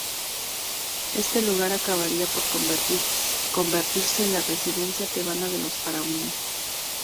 Este lugar acabaría por convertirse en la residencia tebana de los faraones.